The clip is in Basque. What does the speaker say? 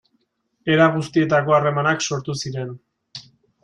Era guztietako harremanak sortu ziren.